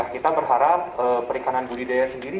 kita berharap perikanan budidaya sendiri